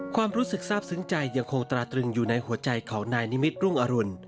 ความรู้สึกทราบซึ้งใจยังคงตราตรึงอยู่ในหัวใจของนายนิมิตรุ่งอรุณ